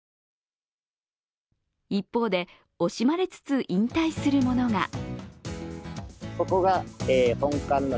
一方で惜しまれつつ引退するものが。